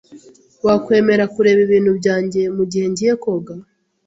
Wakwemera kureba ibintu byanjye mugihe ngiye koga?